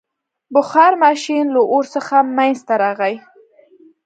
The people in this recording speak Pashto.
• بخار ماشین له اور څخه منځته راغی.